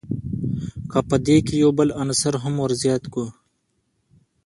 که په دې کښي یو بل عنصر هم ور زیات کو.